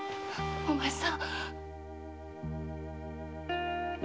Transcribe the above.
お前さん